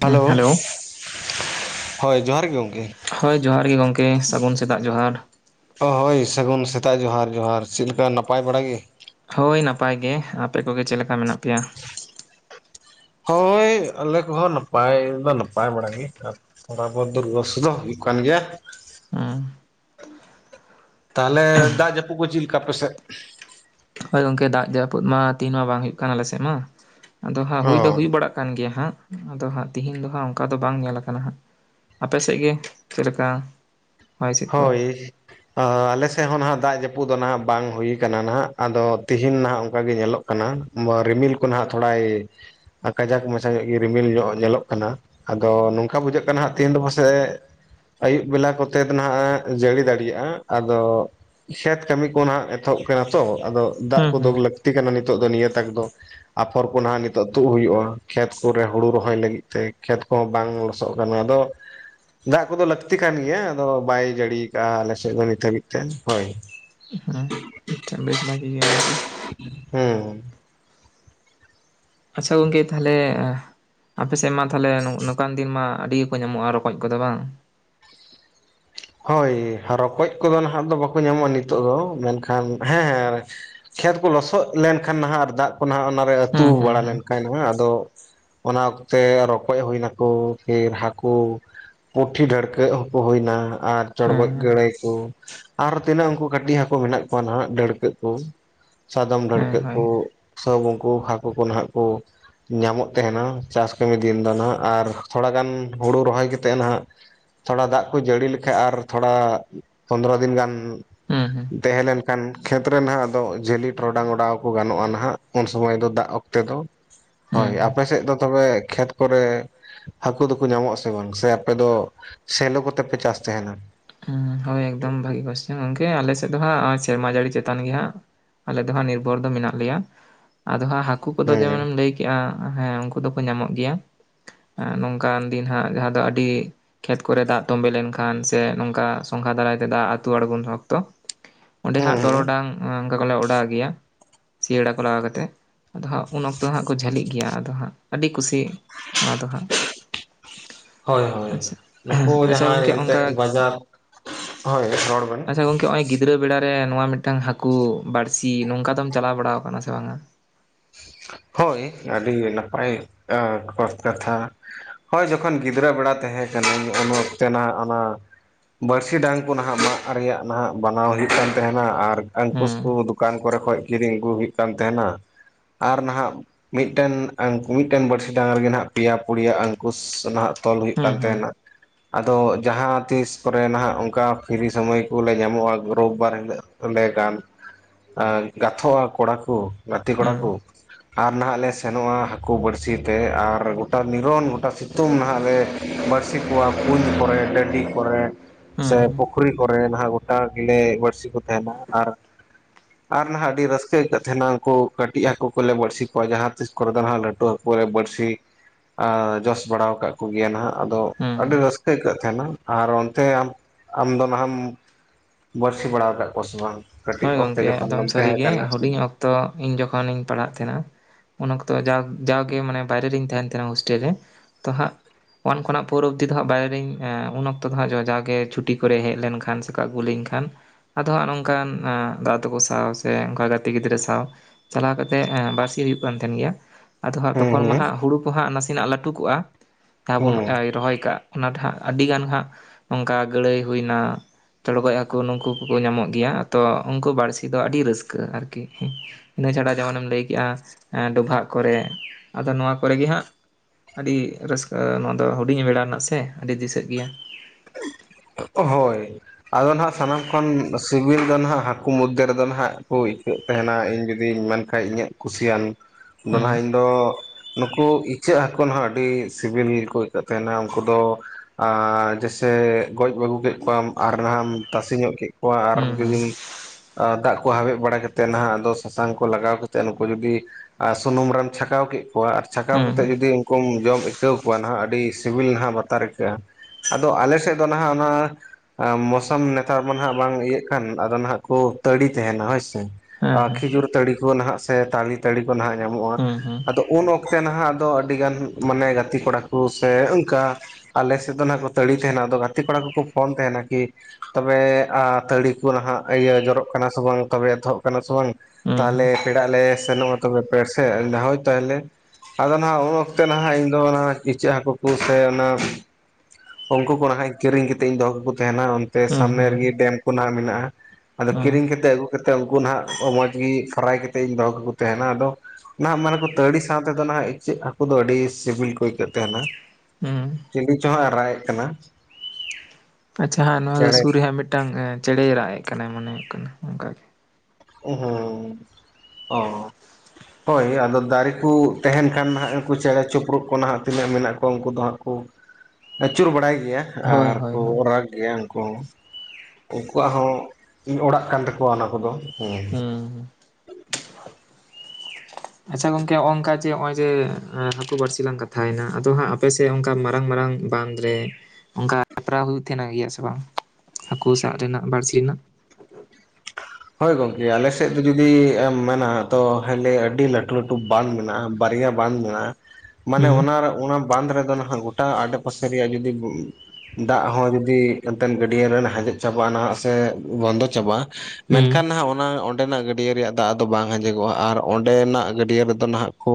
Hello ᱦᱳᱭ ᱡᱚᱦᱟᱨ ᱜᱮ ᱜᱚᱝᱠᱮ? ᱦᱳᱭ ᱡᱚᱦᱟᱨ ᱜᱮ ᱜᱚᱢᱠᱮ ᱥᱟᱹᱜᱩᱱ ᱥᱮᱛᱟᱜ ᱡᱚᱦᱟᱨ ᱚ ᱦᱳᱭ ᱥᱟᱹᱜᱩᱱ ᱥᱮᱛᱟᱜ ᱡᱚᱦᱟᱨ ᱡᱚᱦᱟᱨ ᱪᱮᱫ ᱞᱮᱠᱟ ᱱᱟᱯᱟᱭ ᱵᱟᱲᱟᱜᱟᱜ ᱜᱮ ᱦᱳᱭ ᱱᱟᱯᱟᱭ ᱜᱮ ᱟᱯᱮ ᱠᱚᱜᱮ ᱪᱮᱫ ᱞᱮᱠᱟ ᱢᱮᱱᱟᱜ ᱯᱮᱭᱟ ᱦᱳᱭ ᱟᱞᱮ ᱠᱚᱦᱚᱸ ᱱᱟᱯᱟᱭ ᱫᱚ ᱱᱟᱯᱟᱭ ᱵᱟᱲᱟ ᱜᱮ ᱟᱨ ᱛᱚᱨᱟᱵᱚᱨ ᱫᱚ [unintelligible] ᱦᱟᱹᱥᱩ ᱫᱚ ᱦᱩᱭᱩᱜ ᱠᱟᱱ ᱜᱮᱭᱟ ᱦᱩᱸ ᱛᱟᱦᱚᱞᱮ ᱫᱟᱜ ᱡᱟᱹᱯᱩᱫ ᱠᱚ ᱪᱮᱫ ᱞᱮᱠᱟ ᱟᱯᱮᱥᱮᱫ? ᱦᱳᱭ ᱜᱚᱝᱠᱮ ᱫᱟᱜ ᱡᱟᱹᱯᱩᱫ ᱢᱟ ᱛᱤᱱ ᱢᱟ ᱵᱟᱝ ᱦᱩᱭᱩᱜ ᱠᱟᱱᱟ ᱟᱞ ᱥᱮᱫ ᱢᱟ᱾ ᱟᱫᱚ ᱦᱟᱸᱜ ᱦᱩᱭ ᱫᱚ ᱚ ᱦᱩᱭ ᱵᱟᱲᱟᱜ ᱠᱟᱱ ᱜᱮᱭᱟ ᱦᱟᱸᱜ᱾ ᱟᱫᱚ ᱦᱟᱸᱜ ᱛᱤᱦᱮᱧ ᱫᱚ ᱦᱟᱸᱜ ᱚᱱᱠᱟ ᱫᱚ ᱵᱟᱝ ᱧᱮᱞᱟ ᱟᱠᱟᱱᱟ ᱦᱟᱸᱜ ᱟᱯᱮᱥᱮᱫ ᱜᱮ ᱪᱮᱫᱮᱠᱟ ᱦᱳᱭ ᱟᱞᱮᱮᱥᱮᱫ ᱦᱚᱸ ᱱᱟᱦᱟᱜ ᱫᱟᱜ ᱡᱟᱹᱯᱩᱫ ᱫᱚ ᱱᱟᱦᱟᱜ ᱵᱟᱝ ᱦᱩᱭᱩᱭᱟᱠᱟᱱᱟ ᱱᱟᱦᱟᱜ ᱟᱫᱚ ᱛᱤᱦᱤᱧ ᱱᱟᱦᱟᱜ ᱚᱱᱠᱟ ᱜᱮ ᱧᱮᱞᱚᱜ ᱠᱟᱱᱟ ᱨᱤᱢᱤᱞ ᱠᱚ ᱱᱟᱦᱟᱜ ᱛᱷᱚᱲᱟᱭ ᱠᱟᱡᱟᱠ ᱢᱟᱪᱷᱟ ᱧᱚᱜ ᱜᱮ ᱨᱤᱢᱤᱞ ᱧᱚᱜ ᱧᱮᱞᱚᱜ ᱠᱟᱱᱟ᱾ ᱟᱫᱚ ᱱᱚᱝᱠᱟ ᱵᱩᱡᱷᱟᱹᱜ ᱠᱟᱱᱟ ᱦᱟᱸᱜ ᱛᱮᱦᱮᱧ ᱫᱚ ᱯᱟᱥᱮᱡ ᱟᱹᱭᱩᱵ ᱵᱮᱞᱟ ᱠᱚᱛᱮ ᱠᱷᱮᱱᱟᱦᱟᱜ ᱮ ᱡᱟᱹᱲᱤ ᱫᱟᱲᱮᱭᱟᱜᱼᱟ ᱟᱫᱚ ᱠᱷᱮᱛ ᱠᱟᱹᱢᱤ ᱠᱚ ᱱᱟᱦᱱᱟᱜ ᱮᱛᱚᱦᱚᱵ ᱟᱠᱟᱱᱟ ᱛᱚ, ᱟᱫᱚ ᱫᱟᱜ ᱦᱩᱸ ᱠᱚᱫᱚ ᱦᱩᱸ ᱞᱟᱹᱠᱛᱤ ᱠᱟᱱᱟ ᱱᱤᱛᱚᱜ ᱫᱚ ᱱᱤᱭᱟᱹᱴᱟᱜ ᱫᱚ ᱟᱯᱷᱚᱨ ᱠᱚ ᱱᱟᱦᱟᱜ ᱱᱤᱛᱚᱜ ᱛᱫ ᱦᱩᱭᱩᱜᱼᱟ ᱠᱷᱮᱛ ᱠᱚᱨᱮ ᱦᱩᱲᱩ ᱨᱚᱦᱚᱭ ᱞᱟᱹᱜᱤᱫ ᱛᱮ ᱠᱷᱮᱛ ᱠᱚᱦᱚᱸ ᱵᱟᱝ ᱥᱚᱜ ᱠᱟᱱᱟ ᱟᱫᱚ ᱫᱟᱜ ᱠᱚᱫᱚ ᱞᱟᱹᱠᱛᱤ ᱠᱟᱱ ᱜᱮᱭᱟ ᱵᱟᱭ ᱡᱟᱹᱲᱤᱭᱟ ᱠᱟᱜᱼᱟ ᱟᱞᱮ ᱥᱮᱫ ᱫᱚ ᱱᱤᱛ ᱦᱟᱹᱵᱤᱡ ᱛᱮ ᱦᱳᱭ [inaudible] ᱟᱪᱷᱟ ᱵᱮᱥ ᱵᱟᱠᱤ ᱜᱮᱤᱭᱟᱹᱭᱟ ᱜᱚᱝᱠᱮ ᱦᱮᱸ ᱟᱪᱷᱟ ᱜᱚᱝᱠᱮ ᱛᱟᱦᱚᱞᱮ ᱟᱯᱮᱥᱮᱫ ᱢᱟ ᱛᱟᱦᱚᱞᱮ ᱱᱚᱝᱠᱟᱱ ᱫᱤᱱ ᱢᱟ ᱟᱹᱰᱤ ᱜᱮᱠᱚ ᱧᱟᱢᱚᱜᱼᱟ ᱨᱚᱠᱚᱡ ᱠᱚᱫᱚ ᱵᱟᱝ? ᱦᱳᱭ ᱨᱚᱠᱚᱡ ᱠᱚᱫᱚ ᱱᱟᱦᱟᱜ ᱫᱚ ᱵᱟᱠᱚ ᱧᱟᱢᱚᱜᱼᱟ ᱱᱤᱛᱚᱜ ᱫᱚ, ᱢᱮᱱᱠᱷᱟᱱ ᱦᱮᱸ ᱠᱷᱮᱛ ᱠᱚ ᱞᱚᱥᱚᱫ ᱞᱮᱱᱠᱷᱟᱱ ᱟᱨ ᱫᱟᱜ ᱠᱚ ᱱᱟ ᱚᱱᱟᱨᱮ ᱟᱹᱛᱩ ᱦᱩᱸ ᱦᱩᱸ ᱵᱟᱲᱟ ᱦᱩᱸ ᱞᱮᱱᱠᱷᱟᱱ ᱟᱫᱚ ᱚᱱᱟ ᱚᱠᱛᱮ ᱨᱚᱠᱚᱡ ᱦᱩᱭ ᱱᱟᱠᱚ, ᱯᱷᱤᱨ ᱦᱟᱹᱠᱩ, ᱯᱩᱴᱷᱤ ᱰᱟᱹᱲᱠᱟᱹᱜ ᱦᱚᱸᱠᱚ ᱦᱩᱭᱱᱟ ᱟᱨ ᱪᱚᱲᱜᱚᱡ ᱦᱮᱸ ᱦᱮᱸ ᱜᱟᱹᱲᱟᱹᱭ ᱠᱚ ᱟᱨ ᱛᱤᱱᱟᱹᱜ ᱩᱱᱠᱩ ᱠᱟᱹᱴᱤᱡ ᱦᱟᱹᱠᱩ ᱢᱮᱱᱟᱜ ᱠᱚᱣᱟ ᱱᱟᱜ, ᱰᱟᱹᱲᱠᱟᱹᱜ ᱠᱚ ᱥᱟᱫᱚᱢ ᱦᱮᱸ ᱰᱟᱹᱲᱠᱟᱹᱜ ᱦᱳᱭ ᱠᱚ ᱥᱟ ᱩᱱᱠᱩ ᱦᱟᱹᱠᱩ ᱠᱚ ᱱᱟᱦᱜ ᱠᱚ ᱧᱟᱢᱚᱜ ᱛᱟᱦᱮᱱᱟ ᱪᱟᱥ ᱠᱟᱹᱢᱤ ᱫᱤᱱ ᱫᱚ ᱟᱸᱜ ᱟᱨ ᱛᱷᱚᱲᱟᱟᱜᱟᱱ ᱦᱩᱲᱩ ᱨᱚᱦᱚᱭ ᱠᱟᱛᱮᱫ ᱱᱟᱦᱟᱸᱜ ᱛᱷᱚᱲᱟ ᱫᱟᱜ ᱠᱚ ᱡᱟᱹᱲᱤ ᱞᱮᱠᱷᱟᱱ ᱟᱨ ᱛᱷᱚᱲᱟ ᱯᱚᱱᱨᱚ ᱫᱤᱱ ᱜᱟᱱ ᱦᱩᱸ ᱦᱩᱸ ᱛᱟᱦᱮᱸ ᱞᱮᱱᱠᱷᱟᱱ ᱠᱷᱮᱛ ᱨᱮ ᱱᱟᱜ ᱟᱫᱚ ᱡᱷᱟᱹᱞᱤ ᱴᱚᱨᱚᱰᱟᱝ ᱚᱰᱟᱣ ᱠᱚ ᱜᱟᱱᱚᱜᱼᱟ ᱦᱟᱜ ᱩᱱ ᱥᱚᱢᱚᱭ ᱫᱚ ᱫᱟᱜ ᱛᱮᱫᱚ ᱦᱩᱸ ᱦᱩᱸ ᱦᱳᱭ ᱟᱯᱮ ᱥᱮᱫ ᱫᱚ ᱛᱚᱵᱮ ᱠᱷᱮᱛ ᱠᱚᱨᱮ ᱦᱟᱹᱠᱩ ᱫᱚᱠᱚ ᱧᱟᱢᱚᱜ ᱟᱥᱮ ᱵᱟᱝ ᱥᱮ ᱟᱯᱮ ᱫᱚ ᱥᱮᱞᱚ ᱠᱚᱛᱮ ᱯᱮ ᱪᱟᱥ ᱛᱟᱦᱮᱱᱟ? ᱦᱳᱭ ᱮᱠᱫᱚᱢ ᱵᱷᱟᱹᱜᱤ ᱠᱚᱥᱪᱮ ᱜᱚᱝᱠᱮ ᱟᱞᱮ ᱥᱮᱫ ᱫᱚ ᱦᱟᱸᱜ ᱥᱮᱨᱢᱟ ᱡᱟᱹᱲᱤ ᱪᱮᱛᱟᱱ ᱜᱮ ᱦᱟᱸᱜ ᱟᱞᱮ ᱫᱚ ᱦᱟᱸᱜ ᱱᱤᱨᱵᱷᱚᱨ ᱫᱚ ᱢᱮᱱᱟᱜ ᱞᱮᱭᱟ ᱟᱫᱚ ᱦᱟᱸᱜ ᱦᱟᱹᱠᱩ ᱠᱚᱫᱚ ᱦᱮᱸ ᱡᱮᱢᱚᱱᱮᱢ ᱞᱟᱹᱭᱮ ᱤᱭᱟ ᱦᱮᱸ ᱩᱱᱠᱩ ᱫᱚᱠᱚ ᱧᱟᱢᱚᱜ ᱜᱮᱭᱟ ᱱᱚᱝᱠᱟᱱ ᱫᱤᱱ ᱦᱟᱸᱜ ᱡᱟᱦᱟᱸ ᱫᱚ ᱟᱹᱰᱤ ᱠᱷᱮᱛ ᱠᱚᱨᱮ ᱫᱟᱜ ᱛᱚᱸᱵᱮ ᱞᱮᱱᱠᱷᱟᱱ ᱥᱮ ᱱᱚᱝᱠᱟ ᱥᱚᱝᱠᱷᱟ ᱫᱟᱨᱟᱭ ᱛᱮ ᱫᱟᱜ ᱛᱳ ᱟᱲᱜᱩᱱ ᱚᱠᱛᱚ ᱚᱸᱰᱮ ᱦᱩᱸ ᱦᱟᱸᱜ ᱦᱩᱸ ᱴᱚᱨᱚᱰᱟᱝ ᱚᱱᱠᱟ ᱠᱚᱞᱮ ᱚᱰᱟᱣ ᱜᱮᱭᱟ ᱥᱤᱭᱟᱲᱟ ᱠᱚ ᱞᱟᱜᱟᱣ ᱠᱟᱛᱮ ᱟᱫᱚ ᱦᱟᱸᱜ ᱩᱱ ᱚᱠᱛᱚ ᱦᱟᱸᱜ ᱠᱚ ᱡᱷᱟᱹᱞᱤᱜ ᱜᱮᱭᱟ ᱟᱫᱚ ᱦᱟᱸᱜ ᱟᱹᱰᱤ ᱠᱩᱥᱤ ᱱᱚᱣᱟ ᱫᱚ ᱦᱟᱸᱜ ᱦᱳᱭ ᱦᱳᱭ ᱟᱪᱪᱷᱟ ᱱᱩᱠᱩ ᱟᱪᱪᱷᱟ ᱡᱟᱦᱟ ᱜᱚᱝᱠᱮ ᱮᱱᱛᱮᱫ ᱚᱱᱠᱟ ᱵᱟᱡᱟᱨ ᱦᱳᱭ ᱨᱚᱲ ᱵᱮᱱ ᱟᱪᱷᱟ ᱜᱚᱝᱠᱮ ᱱᱚᱜ ᱚᱭ ᱜᱤᱫᱽᱨᱟᱹ ᱵᱮᱲᱟ ᱨᱮ ᱱᱚᱶᱟ ᱢᱤᱫᱴᱟᱝ ᱦᱟᱹᱠᱩ ᱵᱟᱹᱲᱥᱤ ᱱᱚᱝᱠᱟ ᱫᱚᱢ ᱪᱟᱞᱟᱣ ᱵᱟᱲᱟ ᱟᱠᱟᱱᱟ ᱥᱮ ᱵᱟᱝᱟ ᱦᱳᱭ ᱟᱹᱰᱤ ᱱᱟᱯᱟᱭ ᱠᱟᱛᱷᱟ ᱦᱳᱭ ᱡᱚᱠᱷᱚᱱ ᱜᱤᱫᱽᱨᱟᱹ ᱵᱮᱲᱟ ᱛᱟᱦᱮ ᱠᱟ ᱩᱱ ᱚᱠᱛᱮ ᱱᱟᱜ ᱚᱱᱟ ᱵᱟᱹᱲᱥᱤ ᱰᱟᱝ ᱠᱚ ᱱᱟᱦᱟᱜ ᱢᱟᱜ ᱨᱮᱭᱟᱜ ᱱᱟᱦᱟᱜ ᱵᱮᱟᱱᱟᱣ ᱦᱩᱭᱩᱜ ᱠᱟᱱ ᱛᱟᱦᱮᱱᱟ ᱟᱨ ᱟᱨ ᱟᱝᱠᱩᱥ ᱦᱩᱸ ᱠᱚ ᱫᱚᱠᱟᱱ ᱠᱚᱨᱮ ᱠᱷᱚᱱ ᱠᱤᱨᱤᱧ ᱟᱹᱜᱩ ᱦᱩᱭᱩᱜ ᱠᱟᱱ ᱛᱟᱦᱮᱱᱟ ᱟᱨ ᱱᱟᱦᱟᱜ ᱢᱤᱫᱴᱮᱱ ᱢᱤᱫ ᱴᱮᱱ ᱵᱟᱹᱲᱥᱤ ᱰᱟᱝ ᱨᱮᱜᱮ ᱱᱟᱦᱟᱜ ᱯᱮᱭᱟ ᱯᱲᱭ ᱟᱝᱠᱩᱥ ᱱᱟᱦᱟᱜ ᱛᱚᱞ ᱦᱩᱭᱩᱜ ᱦᱩᱸ ᱠᱟᱱ ᱦᱩᱸ ᱛᱟᱦᱮᱱᱟ ᱟᱫᱚ ᱡᱟᱦᱟ ᱛᱤᱥ ᱠᱚᱨᱮ ᱱᱟᱦᱟᱜ ᱚᱱᱠᱟ ᱯᱷᱨᱤ ᱥᱚᱢᱚᱭ ᱠᱚᱞᱮ ᱧᱟᱢᱚᱜᱼᱟ ᱨᱳᱵᱟᱨ ᱦᱤᱞᱳᱜ ᱚᱸᱰᱮ ᱜᱟᱱ ᱟᱨ ᱠᱟᱛᱷᱟ ᱟᱠᱳ ᱲᱟᱠᱳ ᱜᱟᱛᱮ ᱦᱩᱸ ᱠᱚᱲᱟ ᱠᱚ ᱟᱨ ᱱᱟᱦᱟᱜ ᱞᱮ ᱥᱮᱱᱚᱜᱼᱟ ᱦᱟᱹᱠᱩ ᱵᱟᱹᱲᱥᱤ ᱛᱮ ᱟᱨ ᱜᱚᱴᱟ ᱱᱤᱨᱚᱱ ᱜᱚᱴᱟ ᱥᱤᱛᱩᱝ ᱱᱟᱦᱟᱜ ᱞᱮ ᱵᱟᱹᱲᱥᱤ ᱠᱚᱣᱟ ᱠᱩᱧ ᱠᱚᱨᱮ ᱴᱟᱰᱤ ᱠᱚᱨᱮ ᱦᱩᱸ ᱥᱮ ᱦᱩᱸ ᱦᱩᱸ ᱯᱩᱠᱷᱨᱤ ᱠᱚᱨᱮ ᱱᱟ ᱜᱳᱴᱟ ᱜᱮᱞᱮ ᱵᱟᱹᱲᱥᱤ ᱠᱚ ᱛᱟᱦᱮᱱᱟ ᱟᱨ ᱟᱨ ᱱᱟᱦᱟᱜ ᱟᱹᱰᱤ ᱨᱟᱹᱥᱠᱟᱹ ᱟᱹᱭᱠᱫ ᱛᱟᱦᱮᱱᱟ ᱩᱱᱠᱩ ᱠᱟᱹᱴᱤᱡ ᱦᱟᱠᱩ ᱠᱚᱞᱮ ᱵᱟᱹᱲᱥᱤ ᱠᱚᱣᱟ ᱡᱟᱦᱟᱸ ᱛᱤᱥ ᱠᱚᱨᱮ ᱦᱟᱸᱜ ᱞᱟᱹᱴᱩ ᱦᱟᱠᱩ ᱞᱮ ᱵᱟᱹᱲᱥᱤ ᱟ ᱡᱚᱥ ᱵᱟᱲᱟᱣ ᱟᱠᱟᱫ ᱠᱚᱜᱮᱭᱟ ᱱᱟᱦᱟᱜ ᱟᱫᱚ ᱦᱩᱸ ᱟᱹᱰᱤ ᱨᱟᱹᱥᱠᱟᱹ ᱟᱹᱭᱠᱟᱹᱜ ᱛᱟᱦᱮᱱᱟ ᱟᱨ ᱚᱱᱛᱮ ᱟᱢᱫᱚ ᱱᱟᱦᱟᱢ ᱵᱟᱹᱲᱥᱤ ᱵᱟᱲᱟᱟᱣ ᱟᱠᱟᱫ ᱠᱚᱣᱟ ᱥᱮ ᱵᱟᱝ? ᱠᱟᱹᱴᱤᱡ ᱦᱳᱭ ᱚᱠᱛᱮ ᱜᱚᱢᱠᱮ ᱡᱚᱠᱷᱚᱱ ᱮᱠᱫᱚᱢ ᱫᱚᱢ ᱛᱟᱦᱮᱸ ᱥᱟᱹᱨᱤᱜᱮ ᱠᱟᱱᱟ ᱦᱩᱰᱤᱧ ᱚᱠᱛᱚ ᱤᱧ ᱡᱚᱠᱷᱚᱱ ᱤᱧ ᱯᱟᱲᱦᱟᱜ ᱛᱟᱦᱮᱱᱟ ᱚᱱᱟ ᱚᱠᱛᱚ ᱡᱟ ᱡᱟᱜᱮ ᱢᱟᱱᱮ ᱵᱟᱭᱨᱮ ᱨᱤᱧ ᱛᱟᱦᱮᱱ ᱛᱟᱦᱮᱱᱟ ᱦᱳᱥᱴᱮᱞ ᱨᱮ ᱛᱚ ᱦᱟᱸᱜ ᱩᱱ ᱠᱷᱚᱱᱟᱜ ᱯᱷᱳᱨ ᱚᱵᱫᱤ ᱫᱚ ᱦᱟᱸᱜ ᱵᱟᱭᱨᱮᱧ ᱩᱱ ᱚᱠᱛᱚ ᱫᱚ ᱦᱟᱸᱜ ᱡᱚ ᱡᱟᱜᱮ ᱪᱷᱩᱴᱤ ᱠᱚᱨᱮ ᱦᱮᱡ ᱞᱮᱱᱠᱷᱟᱱ ᱥᱮ ᱫᱚᱠᱳ ᱟᱹᱜᱩ ᱞᱤᱧ ᱠᱷᱟᱱ ᱟᱫᱚ ᱦᱟᱜ ᱱᱚᱝᱠᱟᱱ ᱫᱟᱫᱟ ᱛᱟᱠᱚ ᱥᱟᱶ ᱥᱮ ᱚᱱᱠᱟ ᱜᱟᱛᱮ ᱜᱤᱫᱽᱨᱟᱹ ᱥᱟᱶ ᱪᱟᱞᱟᱣ ᱠᱟᱛᱮᱜ ᱵᱟᱨᱥᱤ ᱦᱩᱭᱩᱜ ᱠᱟᱱ ᱛᱟᱦᱮᱱ ᱜᱮᱭᱟ ᱟᱫᱚ ᱦᱟᱸᱜ ᱦᱩᱸ ᱛᱚᱠᱷᱚᱱ ᱢᱟ ᱦᱩᱸ ᱦᱟᱸᱜ ᱦᱩᱲᱩ ᱠᱚ ᱦᱟᱸᱜ ᱱᱟᱥᱮᱱᱟᱜ ᱞᱟᱹᱴᱩ ᱠᱚᱜᱼᱟ ᱡᱟᱦᱟᱸ ᱵᱚᱱ ᱦᱩᱸ ᱨᱚᱦᱚᱭ ᱠᱟᱜᱼᱟ ᱚᱱᱟ ᱛᱮ ᱦᱟᱜ ᱟᱹᱰᱤᱜᱟᱱ ᱦᱟᱸᱜ ᱱᱚᱝᱠᱟ ᱜᱟᱹᱲᱟᱹᱭ ᱦᱩᱭᱱᱟ ᱪᱚᱲᱜᱚᱡ ᱦᱟᱹᱠᱩ ᱱᱩᱠᱩ ᱠᱚᱠᱚ ᱧᱟᱢᱚᱜ ᱜᱮᱭᱟ ᱛᱚ ᱩᱱᱠᱩ ᱵᱟᱹᱲᱥᱤ ᱫᱚ ᱟᱹᱰᱤ ᱨᱟᱹᱥᱠᱟᱹ ᱟᱨᱠᱤ ᱤᱱᱟᱹ ᱪᱷᱟᱰᱟ ᱡᱮᱢᱚᱱᱮᱢ ᱞᱟᱹᱭ ᱠᱮᱜᱼᱟ ᱰᱚᱵᱷᱟᱜ ᱠᱚᱨᱮ ᱟᱫᱚ ᱱᱚᱶᱟ ᱠᱚᱨᱮ ᱜᱮ ᱦᱟᱸᱜ ᱟᱹᱰᱤ ᱨᱟᱹᱥᱠᱟᱹ ᱱᱚᱣᱟ ᱫᱚ ᱦᱩᱰᱤᱧ ᱵᱮᱲᱟ ᱨᱮᱱᱟᱜ ᱥᱮ ᱟᱹᱰᱤ ᱫᱤᱥᱟᱹᱜ ᱜᱮᱭᱟ ᱦᱳᱭ ᱟᱫᱚ ᱱᱟᱦᱟᱜ ᱥᱟᱱᱟᱢ ᱠᱷᱚᱱ ᱥᱤᱵᱤᱞ ᱫᱚ ᱱᱟᱟᱜ ᱦᱟᱠᱩ ᱢᱚᱫᱽᱫᱷᱮ ᱨᱮᱫᱚ ᱱᱟᱦᱟᱜ ᱱᱩᱠᱩ ᱤᱪᱟ. ᱜ ᱛᱟᱦᱮᱱᱟ ᱤᱧ ᱡᱩᱫᱤᱧ ᱢᱮᱱᱠᱷᱟᱡ ᱤᱧᱟᱹᱜ ᱠᱩᱥᱤᱭᱟᱱ ᱟᱫᱚ ᱱᱟᱦᱟᱜ ᱦᱩᱸ ᱤᱧ ᱫᱚ ᱱᱩᱠᱩ ᱤᱪᱟᱹᱜ ᱦᱟᱹᱠᱩ ᱫᱚ ᱟᱹᱰᱤ ᱥᱤᱵᱤᱞ ᱜᱮ ᱠᱚ ᱟᱹᱭᱠᱟᱹᱜ ᱛᱟᱦᱮᱱᱟ ᱩᱱᱠᱩ ᱫᱚ ᱟᱻ ᱡᱟᱹᱥᱛᱤ ᱥᱮ ᱜᱚᱡ ᱟᱹᱜᱩ ᱠᱮᱫ ᱠᱚᱣᱟᱢ ᱟᱨ ᱱᱟᱦᱟᱜ ᱮᱢ ᱛᱟᱥᱮ ᱧᱚᱜ ᱠᱮᱫ ᱠᱚᱣᱟ ᱟᱨ ᱦᱩᱸ ᱡᱩᱫᱤᱢ ᱫᱟᱜ ᱠᱚ ᱦᱟᱣᱮᱫ ᱵᱟᱲᱟ ᱠᱟᱛᱮᱫ ᱱᱟᱦᱟᱜ ᱟᱫᱚ ᱥᱟᱥᱟᱝ ᱠᱚ ᱞᱟᱜᱟᱣ ᱠᱟᱛᱮᱫ ᱱᱩᱠᱩ ᱡᱩᱫᱤ ᱟᱨ ᱥᱩᱱᱩᱢ ᱨᱮᱢ ᱪᱷᱟᱠᱟᱣ ᱠᱮᱫ ᱠᱚᱣᱟ ᱟᱨ ᱪᱷᱟᱠᱟᱣ ᱦᱩᱸ ᱠᱟᱛᱮᱫ ᱡᱩᱫᱤ ᱩᱱᱠᱩᱢ ᱡᱚᱢ ᱟᱹᱭᱠᱟᱹᱣ ᱠᱚᱣᱟ ᱱᱟᱜ ᱟᱹᱰᱤ ᱥᱤᱵᱤᱞ ᱱᱟᱦᱟᱜ ᱵᱟᱨ ᱛᱟᱨᱤᱠᱟ ᱫᱚ ᱟᱞᱮ ᱥᱮᱫ ᱫᱚ ᱱᱟᱦᱟᱜ ᱚᱱᱟ ᱢᱳᱥᱟᱢ ᱱᱮᱛᱟᱨ ᱮᱢᱚᱱ ᱤᱭᱟᱜ ᱠᱟᱱ ᱟᱫᱚ ᱱᱟᱟᱜ ᱠᱚ ᱛᱟᱹᱲᱤ ᱛᱟᱦᱮᱱᱟ ᱦᱳᱭᱥᱮ ᱟ ᱠᱷᱤᱡᱩᱨ ᱛᱟᱹᱲᱤ ᱠᱚ ᱱᱟᱦᱟᱜ ᱥᱮ ᱛᱟᱞᱮ ᱛᱟᱹᱲᱤ ᱠᱚ ᱱᱟᱦᱟᱜ ᱧᱟᱢᱚᱜᱼᱟ ᱦᱩᱸ ᱦᱩᱸ ᱦᱮᱸ ᱦᱮᱸ ᱟᱫᱚ ᱩᱱ ᱚᱠᱛᱮ ᱱᱟᱦᱟᱜ ᱟᱹᱰᱤ ᱜᱟᱱ ᱢᱟᱱᱮ ᱜᱟᱛᱮ ᱠᱚᱲᱟ ᱠᱚ ᱥᱮ ᱚᱱᱠᱟ ᱟᱞᱮ ᱥᱮᱫ ᱫᱚ ᱱᱟᱦᱟᱜ ᱠᱚ ᱛᱟᱹᱲᱤ ᱛᱟᱦᱮᱱᱟ ᱟᱫᱚ ᱜᱟᱛᱮ ᱠᱚᱲᱟ ᱠᱚᱠᱚ ᱯᱷᱳᱱ ᱛᱟᱦᱮᱱᱟ ᱠᱤ ᱛᱚᱵᱮ ᱛᱟᱹᱲᱤ ᱠᱚ ᱱᱟᱦᱟᱜ ᱤᱭᱟᱹ ᱡᱚᱨᱚᱜ ᱠᱟᱱᱟ ᱥᱮ ᱵᱟᱝ ᱛᱚᱵᱮ ᱮᱛᱚᱜ ᱠᱟᱱᱟ ᱥᱮ ᱵᱟᱝ ᱦᱩᱸ ᱛᱟᱞᱮ ᱦᱩᱸ ᱯᱮᱲᱟᱜ ᱞᱮ ᱥᱮᱱᱚᱜᱼᱟ ᱛᱚᱵᱮ ᱯᱮ ᱥᱮᱫ ᱦᱳᱭ ᱛᱟᱦᱚᱞᱮ ᱟᱫᱚ ᱱᱟᱦᱟᱜ ᱩᱱ ᱚᱠᱛᱮ ᱱᱟᱦᱟᱜ ᱤᱧᱫᱚ ᱚᱱᱟ ᱤᱪᱟᱹᱜ ᱦᱟᱹᱠᱩ ᱠᱚ ᱥᱮ ᱚᱱᱟ ᱩᱱᱠᱩ ᱠᱚ ᱱᱟᱦᱟᱜ ᱠᱤᱨᱤᱧ ᱠᱟᱛᱮ ᱤᱧ ᱫᱚᱦᱚ ᱠᱚᱠᱚ ᱛᱟᱦᱮᱱᱟ ᱚᱱᱛᱮ ᱦᱩᱸ ᱦᱩᱸ ᱥᱟᱢᱱᱮ ᱦᱩᱸ ᱦᱩᱸ ᱨᱮᱜᱮ ᱰᱮᱢ ᱠᱚ ᱱᱟᱦᱟᱜ ᱢᱮᱱᱟᱜᱼᱟ ᱟᱫᱚ ᱦᱩᱸ ᱠᱤᱨᱤᱧ ᱠᱟᱛᱮ ᱟᱹᱜᱩ ᱠᱟᱛᱮᱜ ᱩᱱᱠᱩ ᱦᱟᱜ ᱢᱚᱸᱡᱽ ᱜᱮ ᱯᱷᱨᱟᱭ ᱠᱟᱛᱮᱜ ᱤᱧ ᱫᱚᱦᱚ ᱠᱟᱠᱚ ᱛᱟᱦᱮᱸᱱᱟ ᱟᱫᱚ ᱱᱟᱦᱟᱸᱜ ᱢᱟᱱᱮ ᱠᱚ ᱛᱟᱹᱲᱤ ᱥᱟᱶ ᱛᱮᱫᱚ ᱱᱟᱦᱟᱸᱜ ᱦᱟᱹᱠᱩ ᱫᱚ ᱟᱹᱰᱤ ᱥᱤᱵᱤᱞ ᱠᱚ ᱟᱹᱭᱠᱟᱹᱜ ᱛᱟᱦᱮᱱᱟ ᱦᱩᱸ ᱪᱤᱞᱤ ᱪᱚᱝ ᱮ ᱨᱟᱭᱮᱫ ᱠᱟᱱᱟ ᱟᱪᱪᱷᱟ ᱦᱟᱸᱜ ᱱᱚᱣᱟ ᱫᱚ ᱪᱮᱬᱮ ᱥᱩᱨ ᱨᱮᱭᱟᱜ ᱢᱤᱫᱴᱟᱝ ᱪᱮᱬᱮᱭ ᱨᱟᱜ ᱮᱜ ᱠᱟᱱᱟᱭ ᱢᱚᱱᱮ ᱦᱩᱭᱩᱜ ᱠᱟᱱᱟ ᱚᱱᱠᱟᱜᱮ ᱚ ᱦᱚᱸ ᱚ ᱦᱳᱭ ᱟᱫᱚ ᱫᱟᱨᱮ ᱠᱚ ᱛᱟᱦᱮᱱ ᱠᱷᱟᱱ ᱱᱟᱦᱟᱸᱜ ᱩᱱᱠᱩ ᱪᱮᱬᱮ ᱪᱤᱯᱨᱩᱫᱽ ᱠᱚ ᱱᱟᱦᱟᱸᱜ ᱛᱤᱱᱟᱹᱜ ᱢᱮᱱᱟᱜ ᱠᱚᱣᱟ ᱩᱱᱠᱩ ᱫᱚ ᱦᱟᱸᱜ ᱟᱹᱪᱩᱨ ᱵᱟᱲᱟᱭ ᱜᱮᱭᱟ ᱦᱳᱭ ᱟᱨ ᱦᱳᱭ ᱠᱚ ᱦᱳᱭ ᱨᱟᱜᱽ ᱜᱮᱭᱟ ᱩᱝᱠᱩ ᱩᱝᱠᱩ ᱦᱚᱸ ᱩᱱᱠᱩᱣᱟᱜ ᱦᱚᱸ ᱤᱧ ᱚᱲᱟᱜ ᱠᱟᱱ ᱛᱟᱠᱚᱣᱟ ᱚᱱᱟ ᱠᱚᱫᱚ ᱦᱸ ᱦᱩᱸ ᱦᱩᱸ ᱦ ᱟᱪᱪᱷᱟ ᱜᱚᱝᱠᱮ ᱱᱚᱜᱼᱚᱭ ᱱᱚᱝᱠᱟ ᱡᱮ ᱱᱚᱜ ᱚᱭ ᱡᱮ ᱦᱟᱹᱠᱩ ᱵᱟᱹᱲᱥᱤ ᱞᱟᱝ ᱠᱟᱛᱷᱟᱭᱮᱱᱟ ᱟᱫᱚ ᱦᱟᱸᱜ ᱟᱯᱮᱥᱮᱫ ᱚᱱᱠᱟ ᱢᱟᱨᱟᱝ ᱢᱟᱨᱟᱝ ᱵᱟᱱᱫᱽ ᱨᱮ ᱚᱱᱠᱟ ᱦᱮᱯᱨᱟᱣ ᱦᱩᱭᱩᱜ ᱛᱟᱦᱮᱸᱱᱟ ᱜᱮᱭᱟ ᱥᱮ ᱵᱟᱝ ᱦᱟᱹᱠᱩ ᱥᱟᱵ ᱨᱮᱱᱟᱜ ᱵᱟᱹᱲᱥᱤ ᱨᱮᱱᱟᱜ ᱦᱳᱭ ᱜᱚᱝᱠᱮ ᱟᱞᱮ ᱥᱮᱫ ᱫᱚ ᱡᱩᱫᱤ ᱢᱮᱱᱟ ᱛᱚ ᱦᱮ ᱟᱹᱰᱤ ᱞᱟ. ᱴᱩ ᱞᱟᱹᱴᱩ ᱵᱟᱸᱫᱷ ᱢᱮᱱᱟᱜᱼᱟ ᱵᱟᱨᱭᱟ ᱵᱟᱱ ᱢᱮᱱᱟᱜᱼᱟ ᱢᱟᱱᱮ ᱦᱩᱸ ᱚᱱᱟ ᱚᱱᱟ ᱵᱟᱸᱫᱷ ᱨᱮᱫᱚ ᱱᱟᱦᱟᱸᱜ ᱜᱚᱴᱟ ᱟᱰᱮ ᱯᱟᱥᱮ ᱨᱮᱭᱟᱜ ᱡᱩᱫᱤ ᱫᱟᱜ ᱦᱚᱸ ᱡᱩᱫᱤ ᱮᱱᱛᱮᱫ ᱜᱟᱹᱰᱭᱟᱹ ᱨᱮ ᱟᱸᱡᱮᱫ ᱪᱟᱵᱟᱜᱼᱟ ᱱᱟᱦᱟᱸᱜ ᱥᱮ ᱵᱚᱱᱫᱚ ᱪᱟᱵᱟᱜᱼᱟ ᱦᱩᱸ ᱢᱮᱱᱠᱷᱟᱱ ᱱᱟᱦᱟᱜ ᱚᱱᱟ ᱚᱸᱰᱮᱱᱟᱜ ᱜᱟᱹᱰᱭᱟᱹ ᱨᱮᱭᱟᱜ ᱫᱟᱜ ᱫᱚ ᱵᱟᱝ ᱟᱡᱮᱜᱚᱜᱼᱟ ᱟᱨ ᱚᱸᱰᱮᱱᱟᱜ ᱜᱟᱹᱰᱭᱟᱹ ᱨᱮᱫᱚ ᱱᱟᱦᱟᱜ ᱠᱚ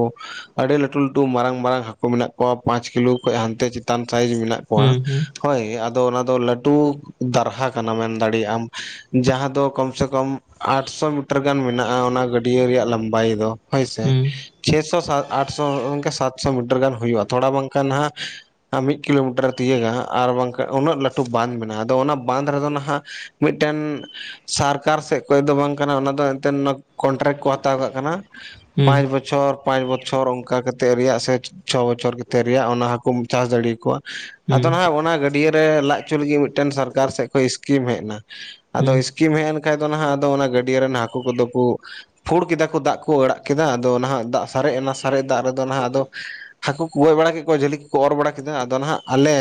ᱟᱹᱰᱤ ᱞᱟᱹᱴᱩ ᱞᱟᱹᱴᱩ ᱢᱟᱨᱟᱝ ᱢᱟᱨᱟᱝ ᱦᱟᱹᱠᱩ ᱢᱮᱱᱟᱜ ᱠᱚᱣᱟ ᱯᱟᱸᱪ ᱠᱤᱞᱳ ᱠᱷᱚᱡ ᱦᱟᱱᱛᱮ ᱪᱮᱛᱟᱱ ᱥᱟᱭᱤᱡᱽ ᱢᱮᱱᱟᱜ ᱠᱚᱣᱟ ᱦᱩᱸ ᱞᱟ. ᱴᱩ ᱫᱟᱨᱦᱟ ᱠᱟᱱᱟ ᱢᱮᱱ ᱫᱟᱲᱮᱭᱟᱜ ᱟᱢ ᱡᱟᱦᱟᱸ ᱫᱚ ᱠᱚᱢ ᱥᱮ ᱠᱚᱢ ᱟᱴᱥᱚ ᱢᱤᱴᱟᱨ ᱜᱟᱱ ᱢᱮᱱᱟᱜᱼᱟ ᱚᱱᱟ ᱜᱟᱹᱰᱭᱟᱹ ᱨᱮᱭᱟᱜ ᱞᱚᱢᱵᱟᱭ ᱫᱚ ᱦᱳᱭᱥᱮ ᱦᱩᱸ ᱪᱷᱚ ᱥᱚ ᱟᱴᱥᱚ ᱥᱟᱛᱥᱚ ᱢᱤᱴᱟᱨ ᱜᱟᱱ ᱦᱩᱭᱩᱜᱼᱟ ᱛᱷᱚᱲᱟ ᱵᱟᱝᱠᱷᱟᱱ ᱦᱟᱸᱜ ᱢᱤᱫ ᱠᱤᱞᱳᱢᱤᱴᱟᱨ ᱛᱤᱭᱟᱹᱜᱟ ᱟᱨ ᱵᱟᱝᱠᱷᱟᱱ ᱩᱱᱟᱹᱜ ᱞᱟᱹᱴᱩ ᱵᱟᱸᱫᱽ ᱢᱮᱱᱟᱜᱼᱟ ᱟᱫᱚ ᱚᱱᱟ ᱵᱟᱸᱫᱷ ᱨᱮᱫᱚ ᱱᱟᱦᱟᱸᱜ ᱢᱤᱫᱴᱮᱱ ᱥᱟᱨᱠ ᱥᱚᱨᱠᱟᱨ ᱥᱮᱫ ᱠᱷᱚᱱ ᱫᱚ ᱵᱟᱝ ᱠᱟᱱᱟ ᱚᱱᱟ ᱫᱚ ᱮᱱᱛᱮᱫ ᱠᱚᱱᱴᱨᱟᱠᱴ ᱠᱚ ᱦᱟᱛᱟᱣ ᱠᱟᱜ ᱠᱟᱱᱟ ᱦᱩᱸ ᱯᱟᱸᱪ ᱵᱚᱪᱷᱚᱨ ᱯᱟᱸᱪ ᱵᱚᱪᱷᱚᱨ ᱚᱱᱠᱟ ᱠᱟᱛᱮᱫ ᱨᱮᱭᱟᱜ ᱥᱮ ᱪᱷᱚ ᱵᱚᱪᱷᱚᱨ ᱠᱟᱛᱮ ᱨᱮᱭᱟᱜ ᱚᱱᱟ ᱦᱟᱹᱠᱩ ᱪᱟᱥ ᱫᱟᱲᱮ ᱟᱠᱚᱣᱟ ᱦᱩᱸ ᱟᱫᱚ ᱱᱟᱦᱟᱸᱜ ᱚᱱᱟ ᱜᱟᱹᱰᱭᱟᱹ ᱨᱮ ᱞᱟᱭ ᱦᱚᱪᱚ ᱞᱟᱹᱜᱤᱫ ᱢᱤᱫᱴᱮᱱ ᱥᱚᱨᱠᱟᱨ ᱥᱮᱫ ᱠᱷᱚᱱ ᱤᱥᱠᱤᱢ ᱦᱮᱡ ᱮᱱᱟ ᱦᱩᱸ ᱟᱫᱚ ᱤᱥᱠᱤᱢ ᱦᱮᱡ ᱮᱱ ᱠᱷᱟᱱ ᱫᱚ ᱦᱟᱸᱜ ᱚᱱᱟ ᱜᱟᱹᱰᱭᱟᱹ ᱨᱮᱱ ᱦᱟᱹᱠᱩ ᱠᱚᱫᱚ ᱠᱚ ᱯᱷᱩᱲ ᱠᱮᱫᱟ ᱠᱚ ᱫᱟᱜ ᱠᱚ ᱟᱲᱟᱜ ᱠᱮᱫᱟ ᱟᱫᱚ ᱱᱟᱦᱟᱜ ᱫᱟᱜ ᱥᱟᱨᱮᱡ ᱮᱱᱟ ᱥᱟᱨᱮᱡ ᱫᱟᱜ ᱨᱮᱫᱚ ᱱᱟᱦᱟᱜ ᱟᱫᱚ ᱦᱟᱹᱠᱩ ᱠᱚ ᱜᱚᱡ ᱵᱟᱲᱟ ᱠᱮᱫ ᱠᱚᱣᱟ ᱡᱷᱟᱹᱞᱤ ᱠᱚᱠᱚ ᱚᱨ ᱵᱟᱲᱟ ᱠᱮᱫᱟ ᱟᱫᱚ ᱱᱟᱦᱟᱜ ᱟᱞᱮ